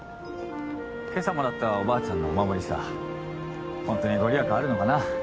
今朝もらったおばあちゃんのお守りさホントに御利益あるのかな？